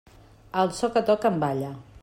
Al so que toquen, balla.